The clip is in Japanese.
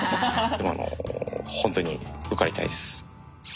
でもあの本当に受かりたいです。